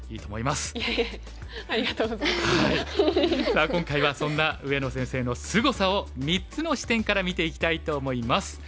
さあ今回はそんな上野先生のすごさを３つの視点から見ていきたいと思います。